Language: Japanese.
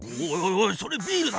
おいそれビールだよ。